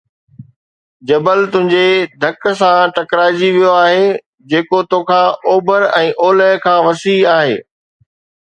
جبل تنهنجي ڌڪ سان ٽڪرائجي ويو آهي، جيڪو توکان اوڀر ۽ اولهه کان وسيع آهي